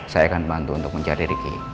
saya akan bantu untuk mencari ricky